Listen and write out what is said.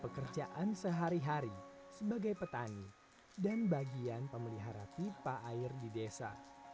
pekerjaan sehari hari sebagai petani dan bagian pemelihara pipa air di desa